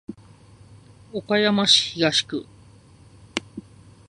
岡山市東区